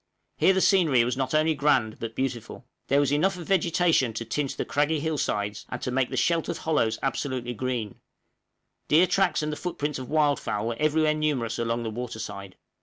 Here the scenery was not only grand, but beautiful; there was enough of vegetation to tint the craggy hill sides and to make the sheltered hollows absolutely green; deer tracks and the foot prints of wildfowl were everywhere numerous along the water side.